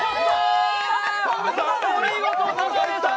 お見事、田辺さん！